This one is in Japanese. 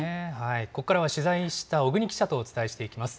ここからは取材した小國記者とお伝えしていきます。